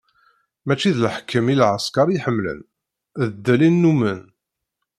Mačči d leḥkem n lɛesker i ḥemmlen, d ddel i nnumen.